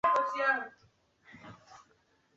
Mimi nipo shuleni